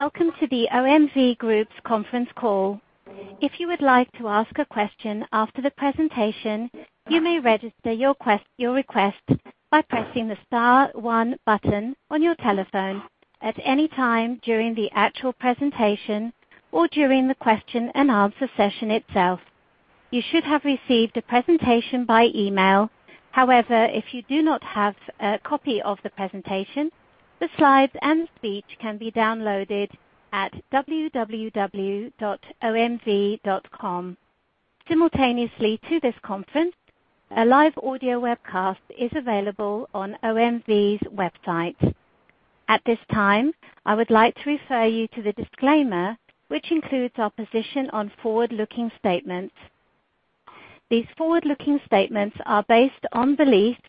Welcome to the OMV Group's conference call. If you would like to ask a question after the presentation, you may register your request by pressing the star one button on your telephone at any time during the actual presentation or during the question and answer session itself. You should have received a presentation by email. However, if you do not have a copy of the presentation, the slides and speech can be downloaded at www.omv.com. Simultaneously to this conference, a live audio webcast is available on OMV's website. At this time, I would like to refer you to the disclaimer, which includes our position on forward-looking statements. These forward-looking statements are based on beliefs,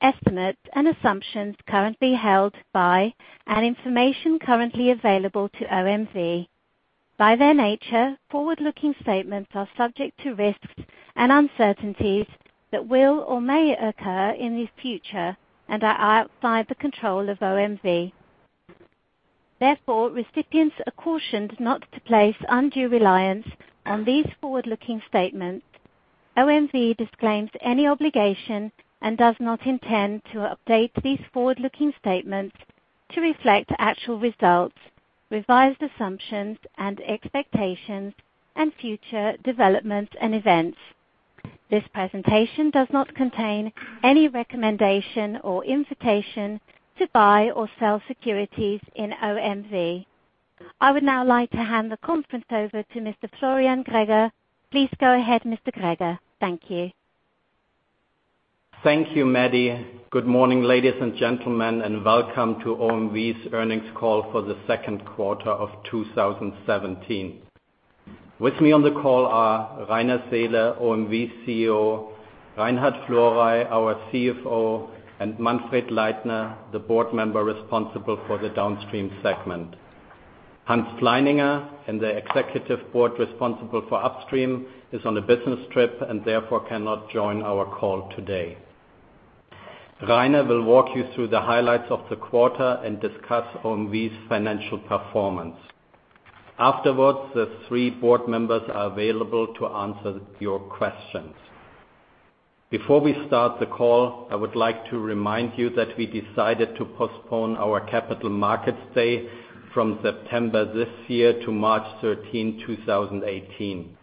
estimates, and assumptions currently held by, and information currently available to OMV. By their nature, forward-looking statements are subject to risks and uncertainties that will or may occur in the future and are outside the control of OMV. Recipients are cautioned not to place undue reliance on these forward-looking statements. OMV disclaims any obligation and does not intend to update these forward-looking statements to reflect actual results, revised assumptions and expectations, and future developments and events. This presentation does not contain any recommendation or invitation to buy or sell securities in OMV. I would now like to hand the conference over to Mr. Florian Greger. Please go ahead, Mr. Greger. Thank you. Thank you, Maddy. Good morning, ladies and gentlemen, welcome to OMV's earnings call for the second quarter of 2017. With me on the call are Rainer Seele, OMV CEO, Reinhard Florey, our CFO, and Manfred Leitner, the board member responsible for the Downstream segment. Johann Pleininger and the executive board responsible for Upstream is on a business trip and therefore cannot join our call today. Rainer will walk you through the highlights of the quarter and discuss OMV's financial performance. Afterwards, the three board members are available to answer your questions. Before we start the call, I would like to remind you that we decided to postpone our Capital Markets Day from September this year to March 13, 2018.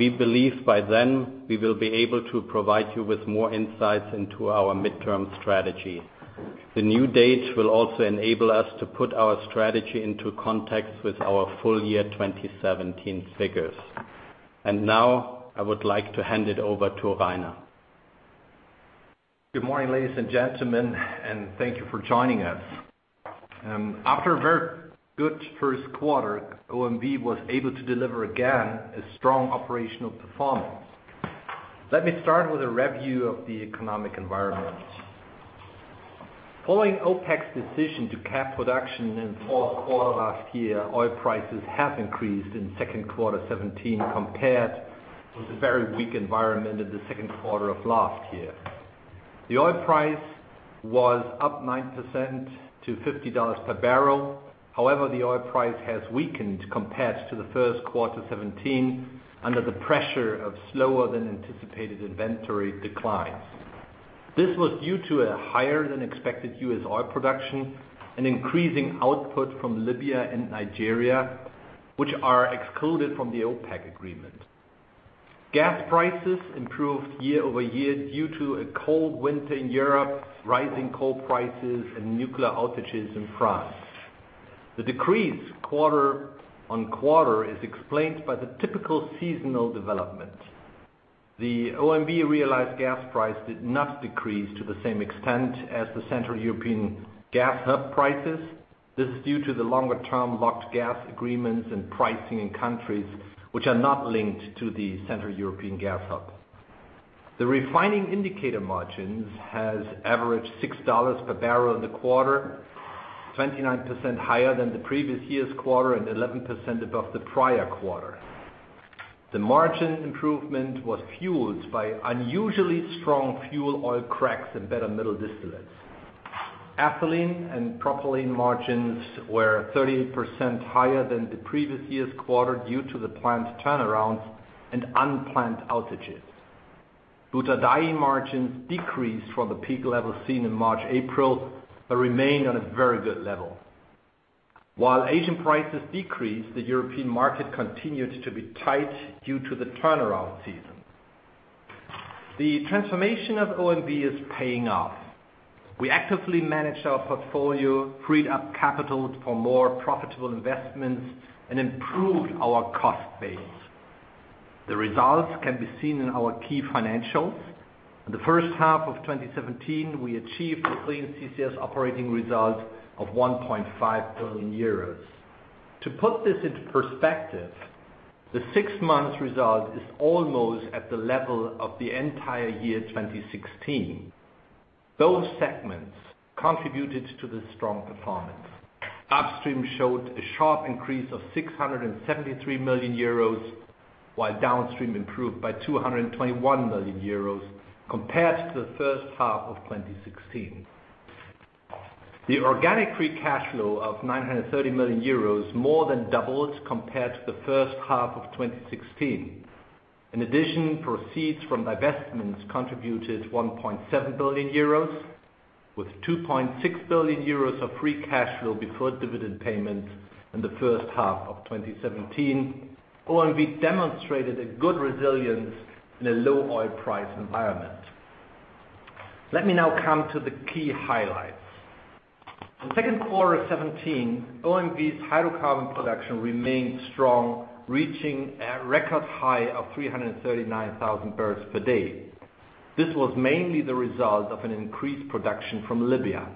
We believe by then we will be able to provide you with more insights into our midterm strategy. The new date will also enable us to put our strategy into context with our full year 2017 figures. Now I would like to hand it over to Rainer. Good morning, ladies and gentlemen, and thank you for joining us. After a very good first quarter, OMV was able to deliver again a strong operational performance. Let me start with a review of the economic environment. Following OPEC's decision to cap production in the fourth quarter last year, oil prices have increased in second quarter 2017 compared with the very weak environment in the second quarter of last year. The oil price was up 9% to $50 per barrel. The oil price has weakened compared to the first quarter 2017 under the pressure of slower than anticipated inventory declines. This was due to a higher than expected U.S. oil production and increasing output from Libya and Nigeria, which are excluded from the OPEC agreement. Gas prices improved year-over-year due to a cold winter in Europe, rising coal prices, and nuclear outages in France. The decrease quarter-on-quarter is explained by the typical seasonal development. The OMV realized gas price did not decrease to the same extent as the Central European Gas Hub prices. This is due to the longer-term locked gas agreements and pricing in countries which are not linked to the Central European Gas Hub. The refining indicator margins has averaged $6 per barrel in the quarter, 29% higher than the previous year's quarter and 11% above the prior quarter. The margin improvement was fueled by unusually strong fuel oil cracks and better middle distillates. Ethylene and propylene margins were 38% higher than the previous year's quarter due to the planned turnarounds and unplanned outages. Butadiene margins decreased from the peak levels seen in March, April, remain on a very good level. Asian prices decreased, the European market continued to be tight due to the turnaround season. The transformation of OMV is paying off. We actively managed our portfolio, freed up capital for more profitable investments, and improved our cost base. The results can be seen in our key financials. In the first half of 2017, we achieved a Clean CCS Operating Result of 1.5 billion euros. To put this into perspective, the six-month result is almost at the level of the entire year 2016. Both segments contributed to the strong performance. Upstream showed a sharp increase of 673 million euros. Downstream improved by 221 million euros compared to the first half of 2016. The organic free cash flow of 930 million euros more than doubled compared to the first half of 2016. Proceeds from divestments contributed 1.7 billion euros, with 2.6 billion euros of free cash flow before dividend payment in the first half of 2017. OMV demonstrated a good resilience in a low oil price environment. Let me now come to the key highlights. In Q2 2017, OMV's hydrocarbon production remained strong, reaching a record high of 339,000 barrels per day. This was mainly the result of an increased production from Libya.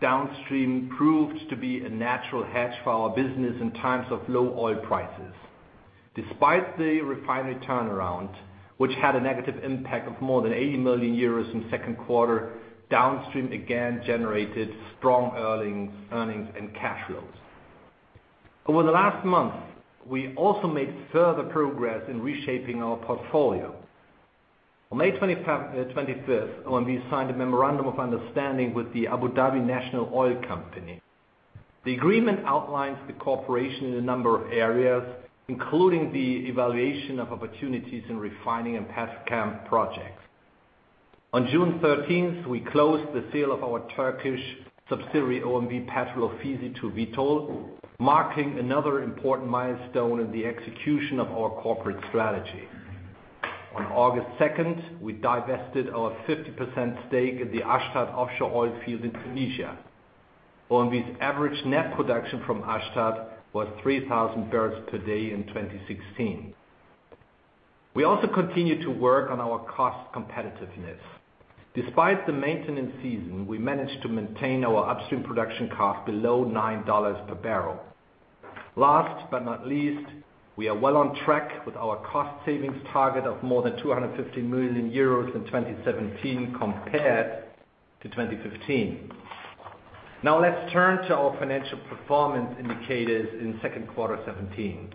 Downstream proved to be a natural hedge for our business in times of low oil prices. Despite the refinery turnaround, which had a negative impact of more than 80 million euros in Q2, downstream again generated strong earnings and cash flows. Over the last month, we also made further progress in reshaping our portfolio. On May 25th, OMV signed a memorandum of understanding with the Abu Dhabi National Oil Company. The agreement outlines the cooperation in a number of areas, including the evaluation of opportunities in refining and petchem projects. On June 13th, we closed the sale of our Turkish subsidiary, OMV Petrol Ofisi, to Vitol, marking another important milestone in the execution of our corporate strategy. On August 2nd, we divested our 50% stake in the Ashtart offshore oil field in Tunisia. OMV's average net production from Ashtart was 3,000 barrels per day in 2016. We also continued to work on our cost competitiveness. Despite the maintenance season, we managed to maintain our upstream production cost below $9 per barrel. Last but not least, we are well on track with our cost savings target of more than 250 million euros in 2017 compared to 2015. Now let's turn to our financial performance indicators in Q2 '17.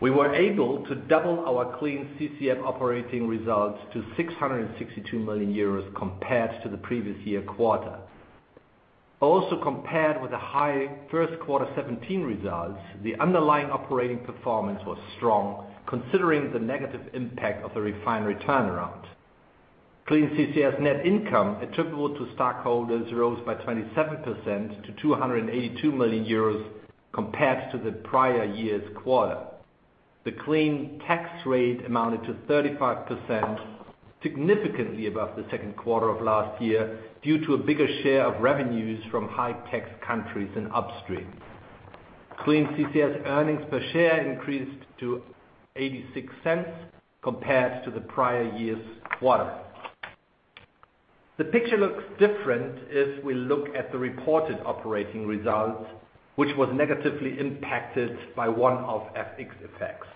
We were able to double our Clean CCS operating results to 662 million euros compared to the previous year quarter. Compared with the high Q1 '17 results, the underlying operating performance was strong considering the negative impact of the refinery turnaround. Clean CCS net income attributable to stockholders rose by 27% to 282 million euros compared to the prior year's quarter. The clean tax rate amounted to 35%, significantly above the second quarter of last year, due to a bigger share of revenues from high-tax countries in upstream. Clean CCS earnings per share increased to 0.86 compared to the prior year's quarter. The picture looks different if we look at the reported operating results, which was negatively impacted by one of FX effects.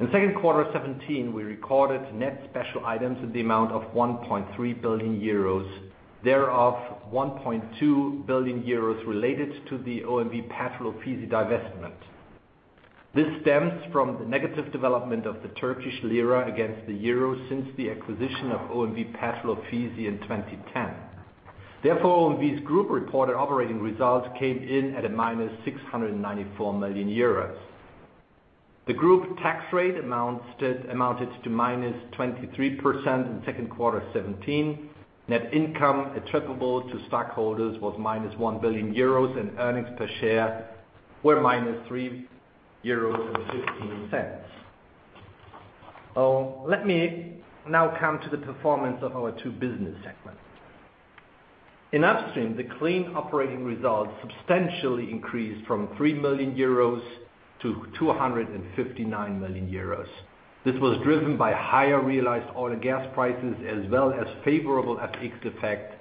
In Q2 '17, we recorded net special items in the amount of 1.3 billion euros, thereof 1.2 billion euros related to the OMV Petrol Ofisi divestment. This stems from the negative development of the Turkish lira against the EUR since the acquisition of OMV Petrol Ofisi in 2010. OMV's group reported operating results came in at a minus 694 million euros. The group tax rate amounted to minus 23% in Q2 '17. Net income attributable to stockholders was minus 1 billion euros, and earnings per share were minus 3.15 euros. Let me now come to the performance of our two business segments. In upstream, the clean operating results substantially increased from 3 million euros to 259 million euros. This was driven by higher realized oil and gas prices, as well as favorable FX effect,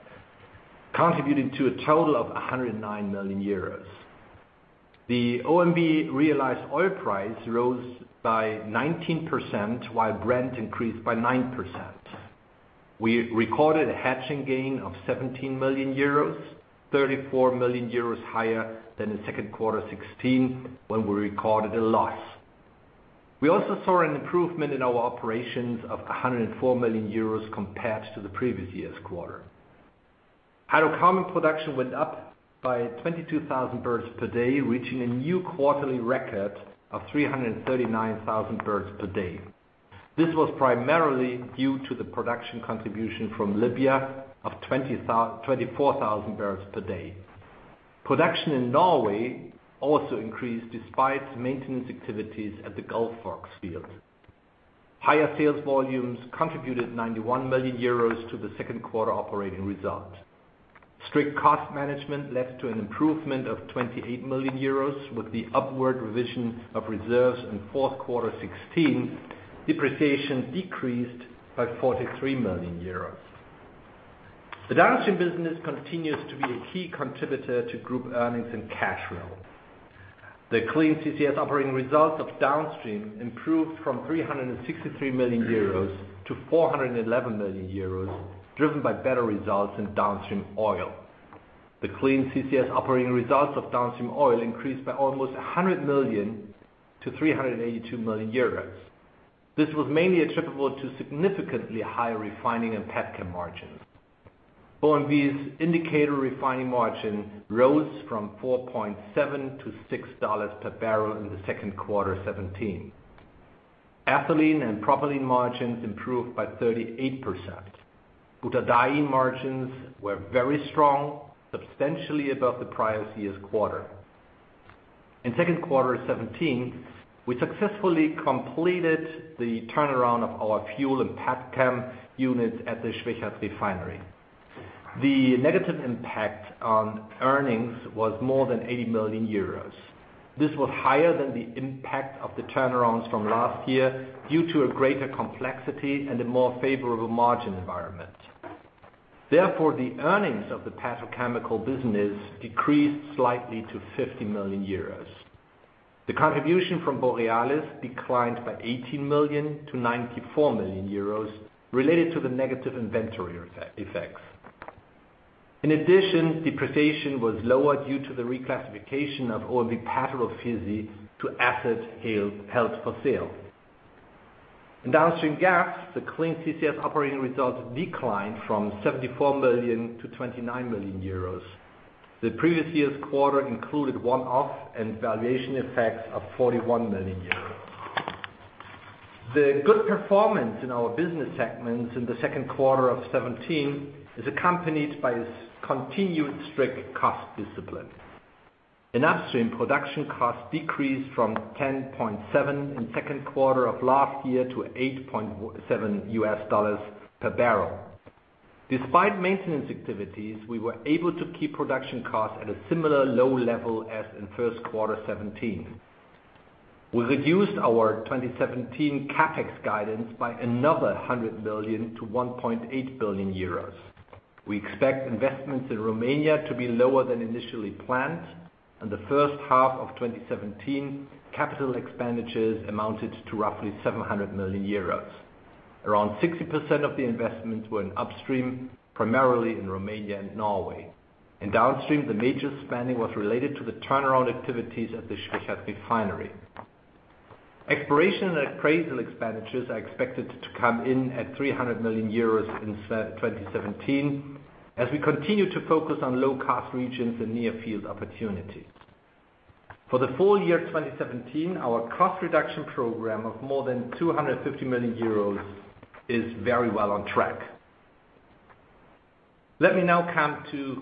contributing to a total of 109 million euros. The OMV realized oil price rose by 19%, while Brent increased by 9%. We recorded a hedging gain of 17 million euros, 34 million euros higher than in Q2 '16 when we recorded a loss. We also saw an improvement in our operations of 104 million euros compared to the previous year's quarter. Hydrocarbon production went up by 22,000 barrels per day, reaching a new quarterly record of 339,000 barrels per day. This was primarily due to the production contribution from Libya of 24,000 barrels per day. Production in Norway also increased despite maintenance activities at the Gullfaks field. Higher sales volumes contributed 91 million euros to the Q2 operating result. Strict cost management led to an improvement of 28 million euros. With the upward revision of reserves in Q4 '16, depreciation decreased by 43 million euros. The downstream business continues to be a key contributor to group earnings and cash flow. The Clean CCS operating results of downstream improved from 363 million euros to 411 million euros, driven by better results in downstream oil. The Clean CCS operating results of downstream oil increased by almost 100 million to 382 million euros. This was mainly attributable to significantly higher refining and petchem margins. OMV's indicator refining margin rose from 4.7 to $6 per barrel in the second quarter 2017. Ethylene and propylene margins improved by 38%. Butadiene margins were very strong, substantially above the prior year's quarter. In second quarter 2017, we successfully completed the turnaround of our fuel and petchem units at the Schwechat Refinery. The negative impact on earnings was more than 80 million euros. This was higher than the impact of the turnarounds from last year due to a greater complexity and a more favorable margin environment. Therefore, the earnings of the petrochemical business decreased slightly to 50 million euros. The contribution from Borealis declined by 18 million to 94 million euros related to the negative inventory effects. In addition, depreciation was lower due to the reclassification of OMV Petrol Ofisi to asset held for sale. In downstream gas, the Clean CCS Operating Result declined from 74 million to 29 million euros. The previous year's quarter included one-off and valuation effects of 41 million euros. The good performance in our business segments in the second quarter of 2017 is accompanied by a continued strict cost discipline. In upstream, production costs decreased from $10.7 in second quarter of last year to $8.7 per barrel. Despite maintenance activities, we were able to keep production costs at a similar low level as in first quarter 2017. We reduced our 2017 CapEx guidance by another 100 million to 1.8 billion euros. We expect investments in Romania to be lower than initially planned. In the first half of 2017, capital expenditures amounted to roughly 700 million euros. Around 60% of the investments were in upstream, primarily in Romania and Norway. In downstream, the major spending was related to the turnaround activities at the Schwechat Refinery. Exploration and appraisal expenditures are expected to come in at 300 million euros in 2017, as we continue to focus on low-cost regions and near-field opportunities. For the full year 2017, our cost reduction program of more than 250 million euros is very well on track. Let me now come to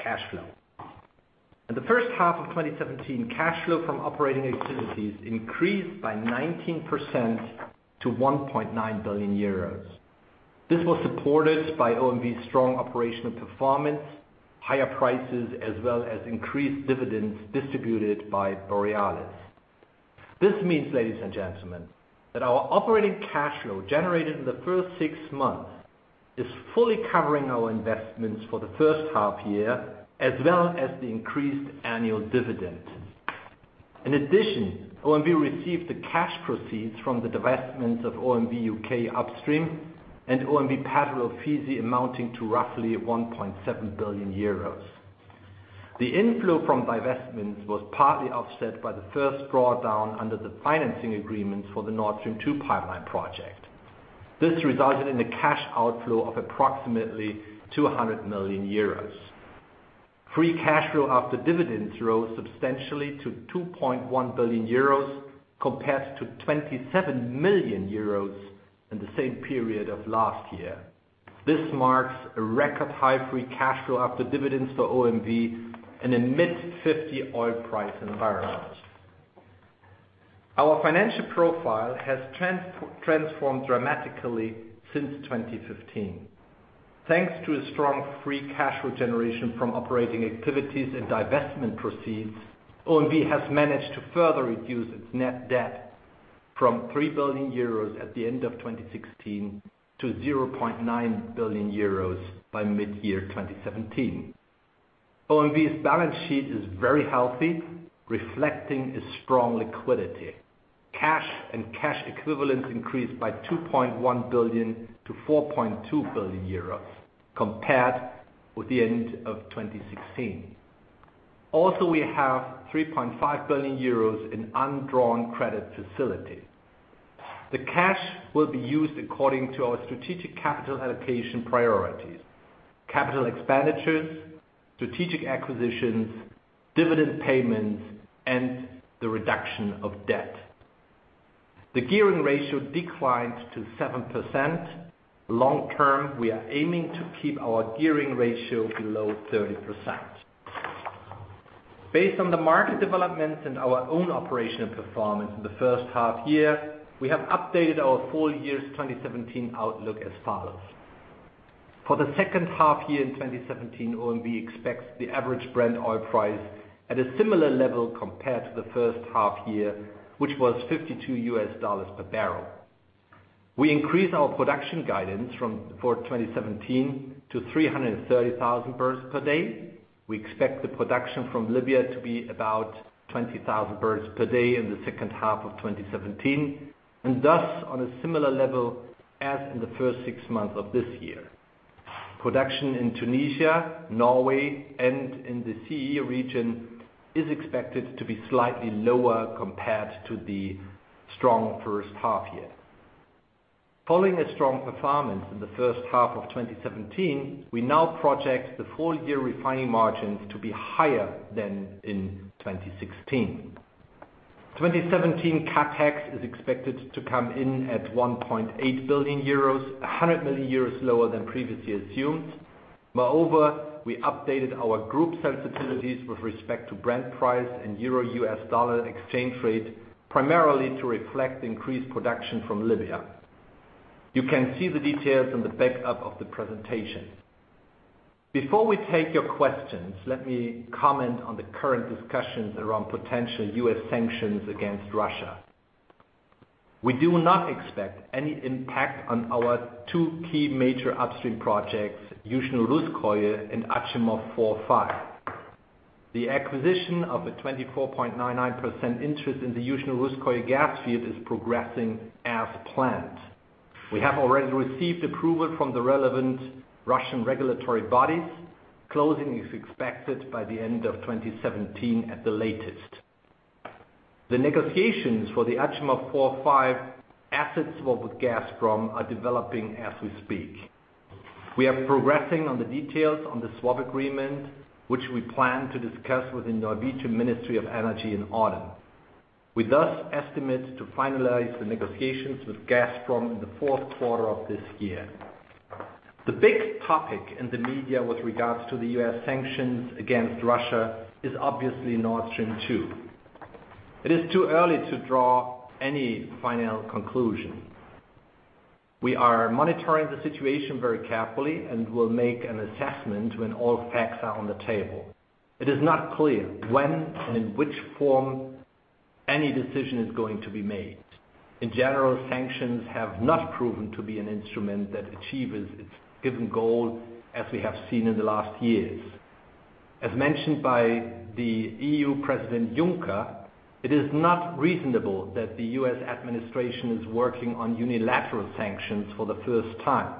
cash flow. In the first half of 2017, cash flow from operating activities increased by 19% to 1.9 billion euros. This was supported by OMV's strong operational performance, higher prices, as well as increased dividends distributed by Borealis. This means, ladies and gentlemen, that our operating cash flow generated in the first six months is fully covering our investments for the first half year, as well as the increased annual dividend. In addition, OMV received the cash proceeds from the divestments of OMV (U.K.) Upstream and OMV Petrol Ofisi amounting to roughly 1.7 billion euros. The inflow from divestments was partly offset by the first drawdown under the financing agreements for the Nord Stream 2 pipeline project. This resulted in a cash outflow of approximately 200 million euros. Free cash flow after dividends rose substantially to 2.1 billion euros compared to 27 million euros in the same period of last year. This marks a record high free cash flow after dividends for OMV in a mid-50 oil price environment. Our financial profile has transformed dramatically since 2015. Thanks to a strong free cash flow generation from operating activities and divestment proceeds, OMV has managed to further reduce its net debt from 3 billion euros at the end of 2016 to 0.9 billion euros by mid-year 2017. OMV's balance sheet is very healthy, reflecting a strong liquidity. Cash and cash equivalents increased by 2.1 billion to 4.2 billion euros compared with the end of 2016. We have 3.5 billion euros in undrawn credit facility. The cash will be used according to our strategic capital allocation priorities: capital expenditures, strategic acquisitions, dividend payments, and the reduction of debt. The gearing ratio declined to 7%. Long-term, we are aiming to keep our gearing ratio below 30%. Based on the market developments and our own operational performance in the first half year, we have updated our full-year 2017 outlook as follows. For the second half year in 2017, OMV expects the average Brent oil price at a similar level compared to the first half year, which was $52 per barrel. We increased our production guidance for 2017 to 330,000 barrels per day. We expect the production from Libya to be about 20,000 barrels per day in the second half of 2017, and thus on a similar level as in the first six months of this year. Production in Tunisia, Norway, and in the CE region is expected to be slightly lower compared to the strong first half year. Following a strong performance in the first half of 2017, we now project the full-year refining margins to be higher than in 2016. 2017 CapEx is expected to come in at 1.8 billion euros, 100 million euros lower than previously assumed. Moreover, we updated our group sensitivities with respect to Brent price and EUR-U.S. dollar exchange rate, primarily to reflect increased production from Libya. You can see the details in the backup of the presentation. Before we take your questions, let me comment on the current discussions around potential U.S. sanctions against Russia. We do not expect any impact on our two key major upstream projects, Yuzhno Russkoye and Achimov 4, 5. The acquisition of a 24.99% interest in the Yuzhno Russkoye gas field is progressing as planned. We have already received approval from the relevant Russian regulatory bodies. Closing is expected by the end of 2017 at the latest. The negotiations for the Achimov 4, 5 assets with Gazprom are developing as we speak. We are progressing on the details on the swap agreement, which we plan to discuss with the Norwegian Ministry of Petroleum and Energy in autumn. We thus estimate to finalize the negotiations with Gazprom in the fourth quarter of this year. The big topic in the media with regards to the U.S. sanctions against Russia is obviously Nord Stream 2. It is too early to draw any final conclusion. We are monitoring the situation very carefully and will make an assessment when all facts are on the table. It is not clear when and in which form any decision is going to be made. In general, sanctions have not proven to be an instrument that achieves its given goal, as we have seen in the last years. As mentioned by the EU President Juncker, it is not reasonable that the U.S. administration is working on unilateral sanctions for the first time.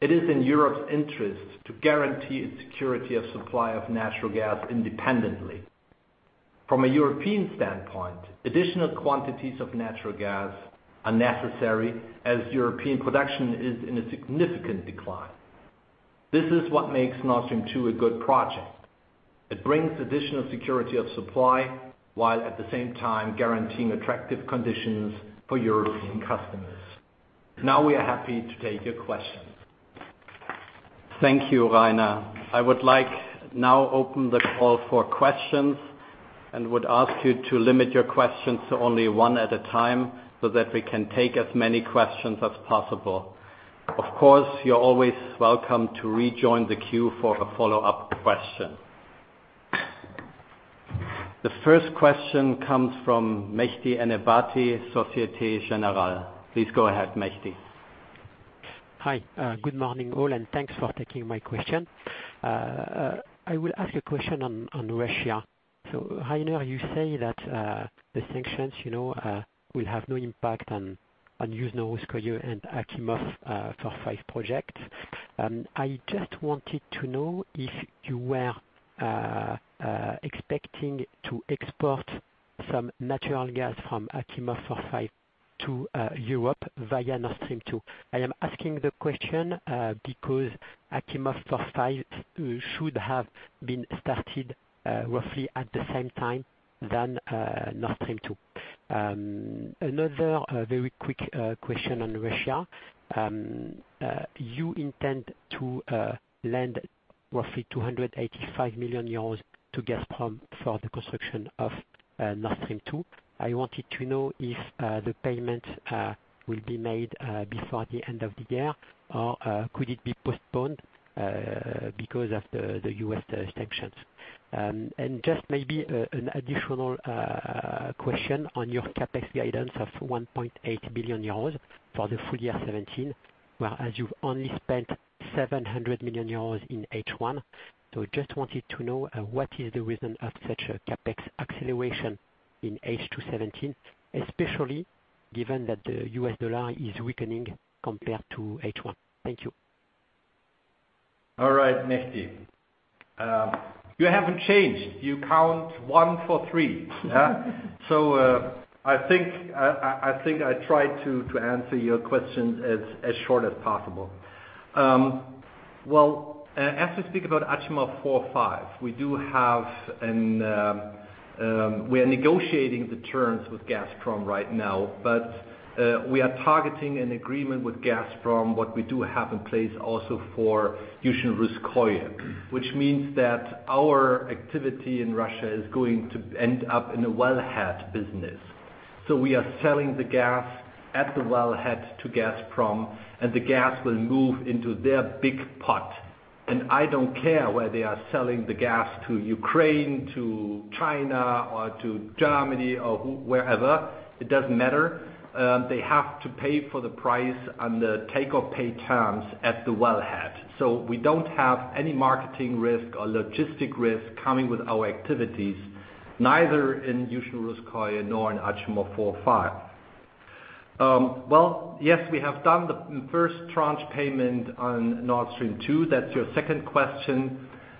It is in Europe's interest to guarantee its security of supply of natural gas independently. From a European standpoint, additional quantities of natural gas are necessary as European production is in a significant decline. This is what makes Nord Stream 2 a good project. It brings additional security of supply, while at the same time guaranteeing attractive conditions for European customers. Now we are happy to take your questions. Thank you, Rainer. I would like now open the call for questions and would ask you to limit your questions to only one at a time so that we can take as many questions as possible. Of course, you are always welcome to rejoin the queue for a follow-up question. The first question comes from Mehdi Ennassiri, Societe Generale. Please go ahead, Mehdi. Hi. Good morning, all, and thanks for taking my question. I will ask a question on Russia. Rainer, you say that the sanctions will have no impact on Yuzhno Russkoye and Achimov 4, 5 projects. I just wanted to know if you were expecting to export some natural gas from Achimov 4, 5 to Europe via Nord Stream 2. I am asking the question because Achimov 4, 5 should have been started roughly at the same time than Nord Stream 2. Another very quick question on Russia. You intend to lend roughly 285 million euros to Gazprom for the construction of Nord Stream 2. I wanted to know if the payment will be made before the end of the year, or could it be postponed because of the U.S. sanctions? Just maybe an additional question on your CapEx guidance of 1.8 billion euros for the full year 2017, whereas you have only spent 700 million euros in H1. Just wanted to know, what is the reason of such a CapEx acceleration in H2 2017, especially given that the U.S. dollar is weakening compared to H1? Thank you. All right, Mehdi. You haven't changed. You count one for three. I think I try to answer your question as short as possible. Well, as we speak about Achimov 4, 5, we are negotiating the terms with Gazprom right now, but we are targeting an agreement with Gazprom, what we do have in place also for Yuzhno Russkoye. Which means that our activity in Russia is going to end up in a wellhead business. We are selling the gas at the wellhead to Gazprom, and the gas will move into their big pot. I don't care where they are selling the gas, to Ukraine, to China, or to Germany, or wherever. It doesn't matter. They have to pay for the price on the take-or-pay terms at the wellhead. We don't have any marketing risk or logistic risk coming with our activities Neither in Yuzhno Russkoye nor in Achimov 4-5. Yes, we have done the first tranche payment on Nord Stream 2. That's your second question.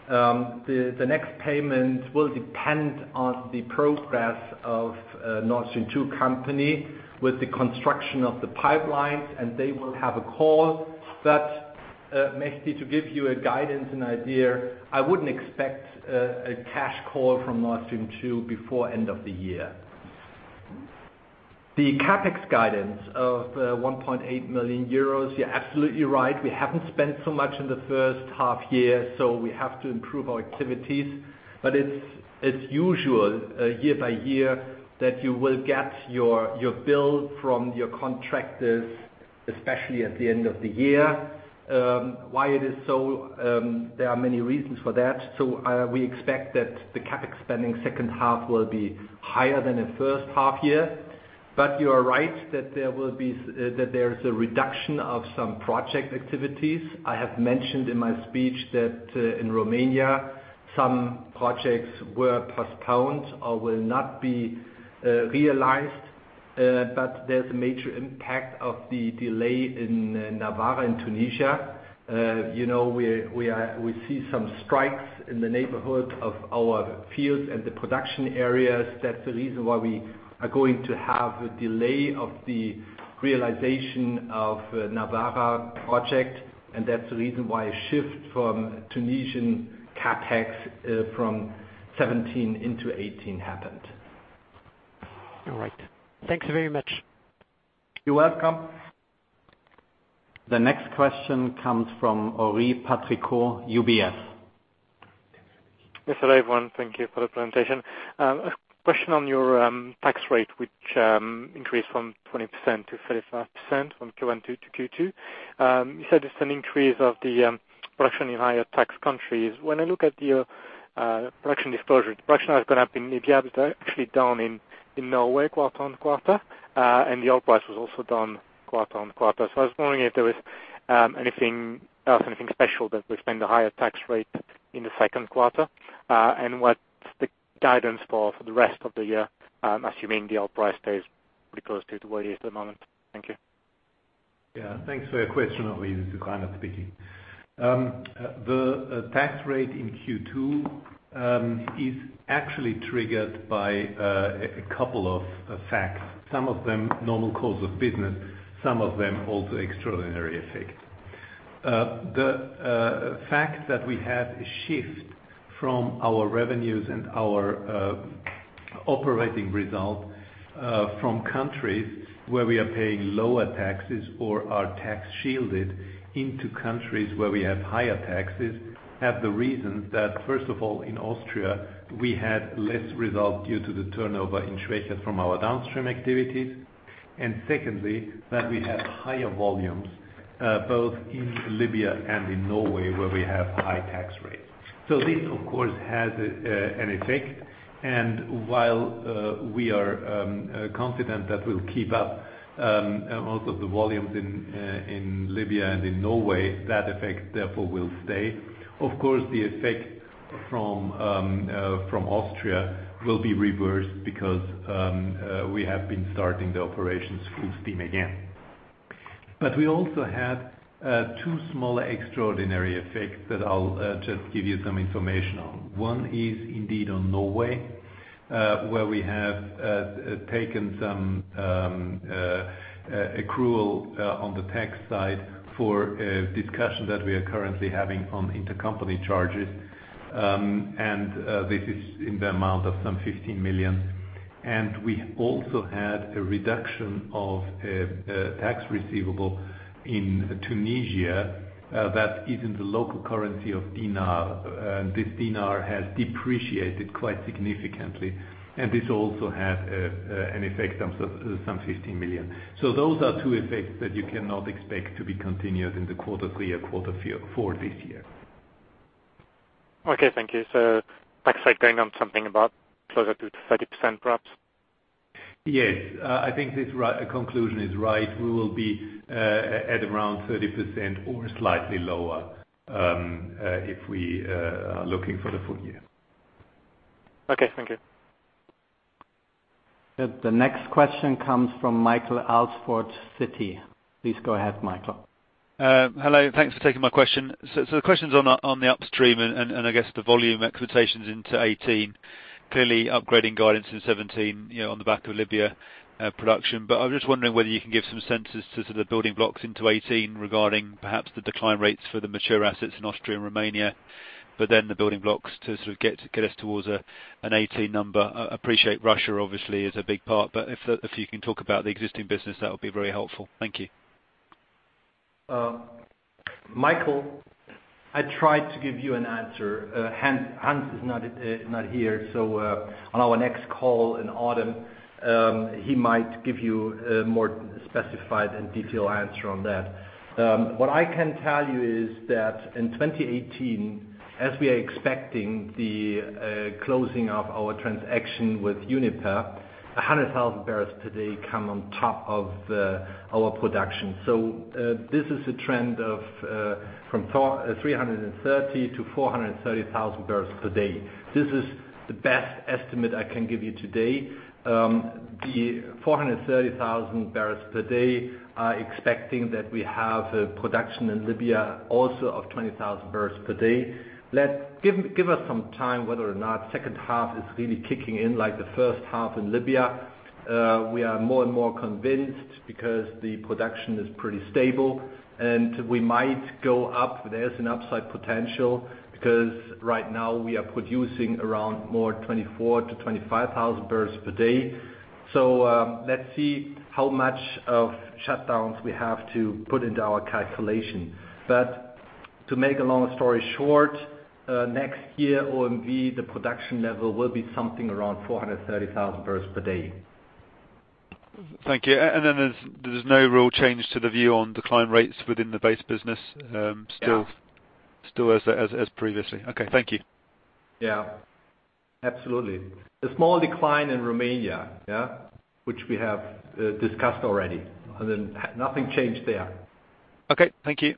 The next payment will depend on the progress of Nord Stream 2 company with the construction of the pipelines, and they will have a call. Mehdi, to give you a guidance and idea, I wouldn't expect a cash call from Nord Stream 2 before end of the year. The CapEx guidance of 1.8 billion euros, you're absolutely right. We haven't spent so much in the first half year, we have to improve our activities. It's usual, year by year, that you will get your bill from your contractors, especially at the end of the year. Why it is so? There are many reasons for that. We expect that the CapEx spending second half will be higher than the first half year. You are right that there's a reduction of some project activities. I have mentioned in my speech that in Romania, some projects were postponed or will not be realized. There's a major impact of the delay in Nawara and Tunisia. We see some strikes in the neighborhood of our fields and the production areas. That's the reason why we are going to have a delay of the realization of Nawara project, and that's the reason why a shift from Tunisian CapEx from 2017 into 2018 happened. All right. Thanks very much. You're welcome. The next question comes from Henri Patricot, UBS. Yes. Hello, everyone. Thank you for the presentation. A question on your tax rate, which increased from 20% to 35% from Q1 to Q2. You said it's an increase of the production in higher tax countries. When I look at your production disclosure, the production has gone up in Libya, but actually down in Norway quarter-on-quarter. The oil price was also down quarter-on-quarter. I was wondering if there was anything else, anything special that would explain the higher tax rate in the second quarter. What's the guidance for the rest of the year, assuming the oil price stays pretty close to where it is at the moment? Thank you. Thanks for your question, Henri. This is Rainer Seele speaking. The tax rate in Q2 is actually triggered by a couple of facts. Some of them normal course of business, some of them also extraordinary effects. The fact that we had a shift from our revenues and our operating result from countries where we are paying lower taxes or are tax-shielded into countries where we have higher taxes, have the reason that, first of all, in Austria, we had less result due to the turnover in Schwechat from our downstream activities. Secondly, that we had higher volumes both in Libya and in Norway, where we have high tax rates. This, of course, has an effect. While we are confident that we'll keep up most of the volumes in Libya and in Norway, that effect, therefore, will stay. Of course, the effect from Austria will be reversed because we have been starting the operations full steam again. We also had two small extraordinary effects that I'll just give you some information on. One is indeed on Norway, where we have taken some accrual on the tax side for a discussion that we are currently having on intercompany charges. This is in the amount of some 15 million. We also had a reduction of a tax receivable in Tunisia that is in the local currency of dinar. This dinar has depreciated quite significantly, this also had an effect of some 15 million. Those are two effects that you cannot expect to be continued in the quarter three or quarter four this year. Okay. Thank you. Tax rate going on something about closer to 30%, perhaps? Yes. I think this conclusion is right. We will be at around 30% or slightly lower, if we are looking for the full year. Okay. Thank you. The next question comes from Michael Alsford, Citi. Please go ahead, Michael. Hello. Thanks for taking my question. The question's on the upstream and I guess the volume expectations into 2018. Clearly upgrading guidance in 2017 on the back of Libya production. I'm just wondering whether you can give some sense as to the building blocks into 2018 regarding perhaps the decline rates for the mature assets in Austria and Romania, the building blocks to sort of get us towards a 2018 number. I appreciate Russia obviously is a big part, if you can talk about the existing business, that would be very helpful. Thank you. Michael, I tried to give you an answer. Hans is not here, on our next call in autumn, he might give you a more specified and detailed answer on that. What I can tell you is that in 2018, as we are expecting the closing of our transaction with Uniper, 100,000 barrels per day come on top of our production. This is a trend from 330,000 to 430,000 barrels per day. This is the best estimate I can give you today. The 430,000 barrels per day are expecting that we have a production in Libya also of 20,000 barrels per day. Give us some time whether or not second half is really kicking in like the first half in Libya. We are more and more convinced because the production is pretty stable and we might go up. There is an upside potential because right now we are producing around more 24,000 to 25,000 barrels per day. Let's see how much of shutdowns we have to put into our calculation. To make a long story short, next year OMV, the production level will be something around 430,000 barrels per day. Thank you. There's no real change to the view on decline rates within the base business- Yeah still as previously. Okay. Thank you. Yeah. Absolutely. A small decline in Romania, which we have discussed already, nothing changed there. Okay. Thank you.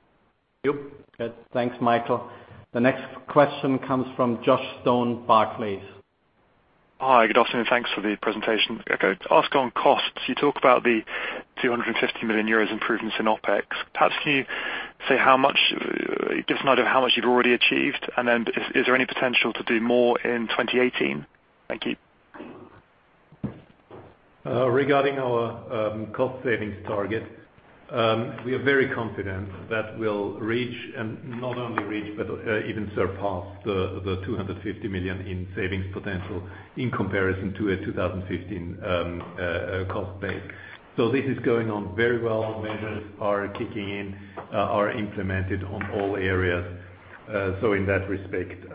Yep. Good. Thanks, Michael. The next question comes from Joshua Stone, Barclays. Hi, good afternoon. Thanks for the presentation. I want to ask on costs. You talk about the 250 million euros improvements in OpEx. Perhaps can you say how much, give us an idea of how much you've already achieved, and then is there any potential to do more in 2018? Thank you. Regarding our cost savings target, we are very confident that we'll reach and not only reach but even surpass the 250 million in savings potential in comparison to a 2015 cost base. This is going on very well. Measures are kicking in, are implemented on all areas. In that respect,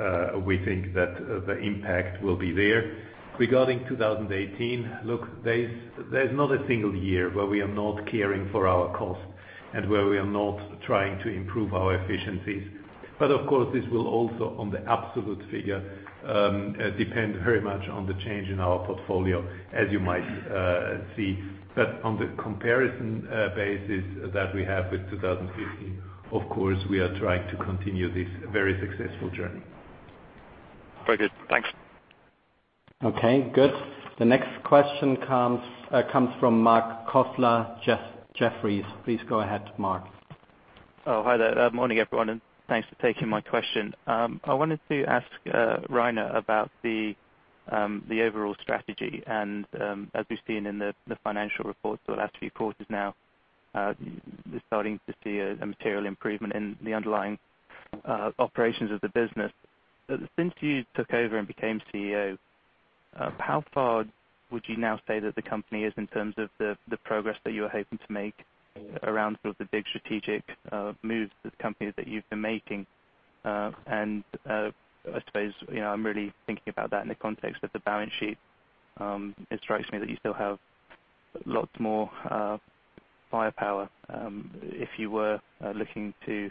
we think that the impact will be there. Regarding 2018, look, there's not a single year where we are not caring for our cost and where we are not trying to improve our efficiencies. Of course, this will also, on the absolute figure, depend very much on the change in our portfolio as you might see. On the comparison basis that we have with 2015, of course, we are trying to continue this very successful journey. Very good. Thanks. Okay, good. The next question comes from Marc Kofler, Jefferies. Please go ahead, Marc. Oh, hi there. Morning, everyone, and thanks for taking my question. I wanted to ask Rainer about the overall strategy and as we've seen in the financial reports or the last few quarters now, we're starting to see a material improvement in the underlying operations of the business. Since you took over and became CEO, how far would you now say that the company is in terms of the progress that you were hoping to make around sort of the big strategic moves the company that you've been making? I suppose I'm really thinking about that in the context of the balance sheet. It strikes me that you still have lots more firepower if you were looking to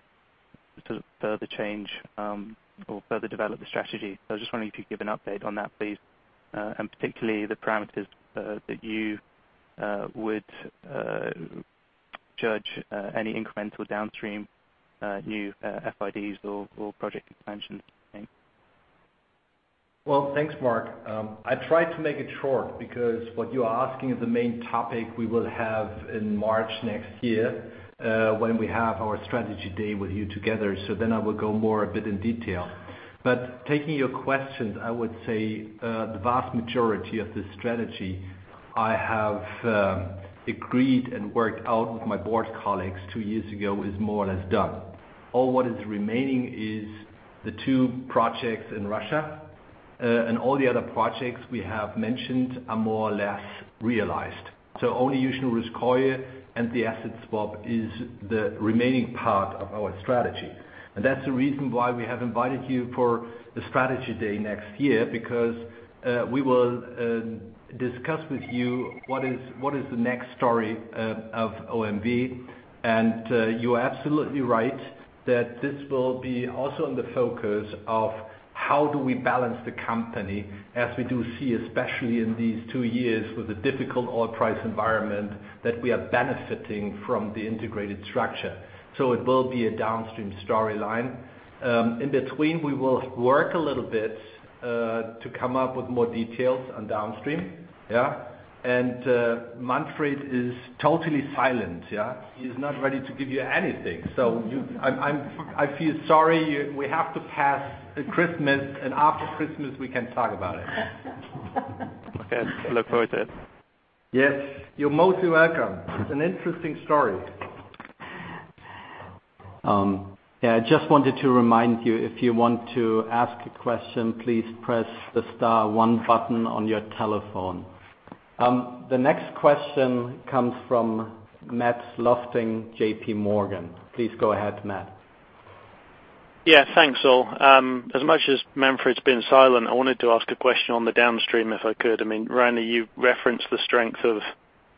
sort of further change or further develop the strategy. I was just wondering if you could give an update on that, please. Particularly the parameters that you would judge any incremental downstream new FIDs or project expansion. Well, thanks, Marc. I try to make it short because what you are asking is the main topic we will have in March next year, when we have our strategy day with you together. I will go more a bit in detail. Taking your questions, I would say the vast majority of the strategy I have agreed and worked out with my board colleagues two years ago is more or less done. All what is remaining is the two projects in Russia, and all the other projects we have mentioned are more or less realized. Only Yuzhno Russkoye and the asset swap is the remaining part of our strategy. That's the reason why we have invited you for the strategy day next year, because we will discuss with you what is the next story of OMV. You are absolutely right that this will be also on the focus of how do we balance the company as we do see, especially in these two years with a difficult oil price environment, that we are benefiting from the integrated structure. It will be a downstream storyline. In between, we will work a little bit, to come up with more details on downstream. Manfred is totally silent. He's not ready to give you anything. I feel sorry, we have to pass Christmas, and after Christmas, we can talk about it. Okay. I look forward to it. Yes. You're most welcome. It's an interesting story. Yeah, I just wanted to remind you, if you want to ask a question, please press the star 1 button on your telephone. The next question comes from Matthew Lofting, J.P. Morgan. Please go ahead, Matt. Yeah, thanks all. As much as Manfred's been silent, I wanted to ask a question on the downstream, if I could. I mean, Rainer, you referenced the strength of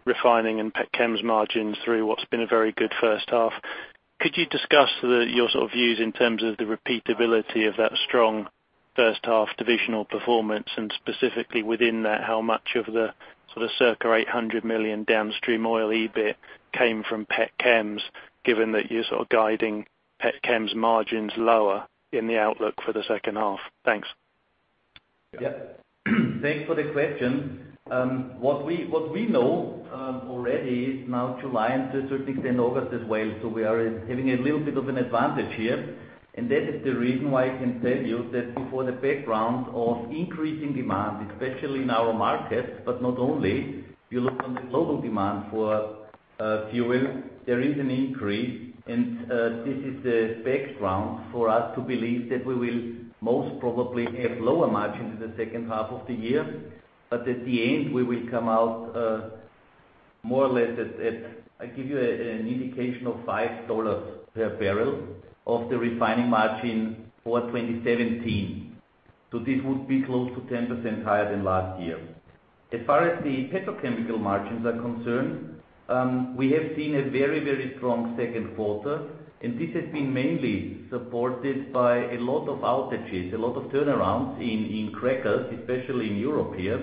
refining and petchems margins through what's been a very good first half. Could you discuss your sort of views in terms of the repeatability of that strong first half divisional performance? And specifically within that, how much of the sort of circa 800 million downstream oil EBIT came from petchems, given that you're sort of guiding petchems margins lower in the outlook for the second half? Thanks. Thanks for the question. What we know already is now July and the third week in August as well, so we are having a little bit of an advantage here, and that is the reason why I can tell you that before the background of increasing demand, especially in our market, but not only, you look on the global demand for fuel, there is an increase. This is the background for us to believe that we will most probably have lower margins in the second half of the year. At the end, we will come out more or less at, I give you an indication of $5 per barrel of the refining margin for 2017. This would be close to 10% higher than last year. As far as the petrochemical margins are concerned, we have seen a very, very strong second quarter, this has been mainly supported by a lot of outages, a lot of turnarounds in crackers, especially in Europe here.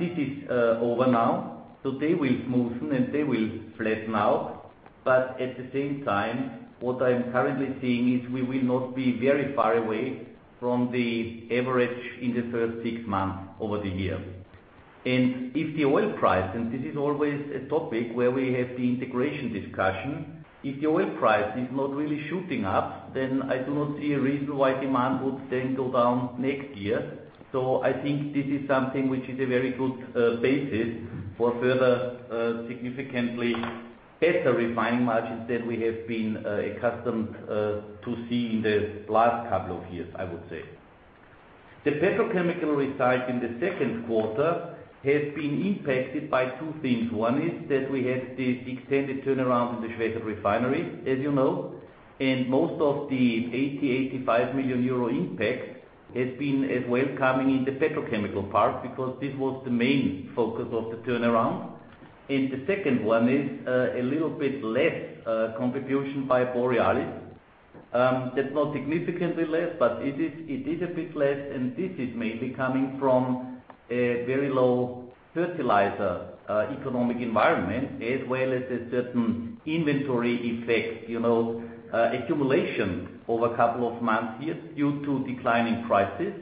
This is over now, so they will smoothen, and they will flatten out. At the same time, what I am currently seeing is we will not be very far away from the average in the first 6 months over the year. If the oil price, and this is always a topic where we have the integration discussion, if the oil price is not really shooting up, then I do not see a reason why demand would then go down next year. I think this is something which is a very good basis for further, significantly better refining margins than we have been accustomed to see in the last couple of years, I would say. The petrochemical result in the second quarter has been impacted by two things. One is that we had the extended turnaround in the Schwechat refinery, as you know. Most of the 80 million-85 million euro impact has been as well coming in the petrochemical part because this was the main focus of the turnaround. The second one is a little bit less contribution by Borealis. That is not significantly less, but it is a bit less, and this is mainly coming from a very low fertilizer economic environment, as well as a certain inventory effect. Accumulation over a couple of months here due to declining prices.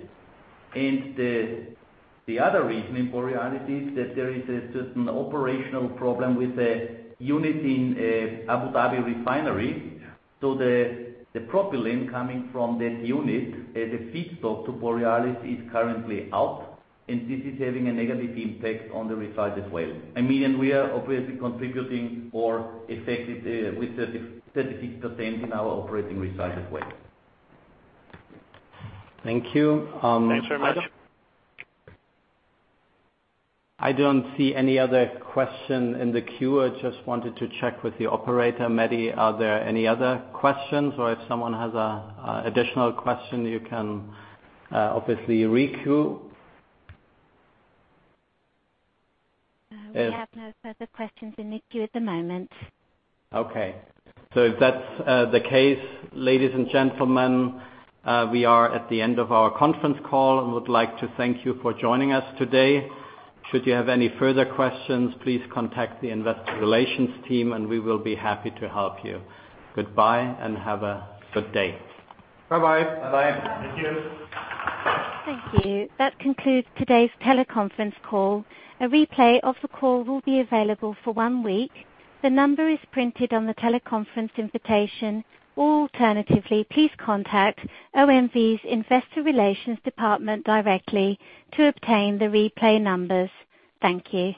The other reason in Borealis is that there is a certain operational problem with a unit in Abu Dhabi refinery. The propylene coming from that unit as a feedstock to Borealis is currently out, this is having a negative impact on the result as well. I mean, we are obviously contributing or affected with 36% in our operating result as well. Thank you. Thanks very much. I don't see any other question in the queue. I just wanted to check with the operator. Maddie, are there any other questions? Or if someone has an additional question, you can obviously re-queue. We have no further questions in the queue at the moment. Okay. If that's the case, ladies and gentlemen, we are at the end of our conference call and would like to thank you for joining us today. Should you have any further questions, please contact the investor relations team, and we will be happy to help you. Goodbye and have a good day. Bye-bye. Bye-bye. Thank you. Thank you. That concludes today's teleconference call. A replay of the call will be available for one week. The number is printed on the teleconference invitation. Alternatively, please contact OMV's investor relations department directly to obtain the replay numbers. Thank you.